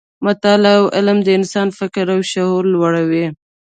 مطالعه او علم د انسان فکر او شعور لوړوي.